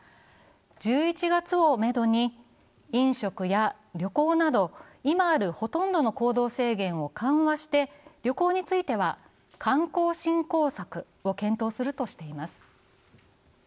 １１月をめどに飲食や旅行など、今あるほとんどの行動制限を緩和して旅行については観光振興策を検討するとしています。